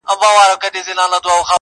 د جرمني نسخې نه وې